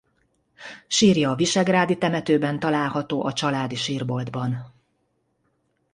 Sírja a visegrádi temetőben található a családi sírboltban.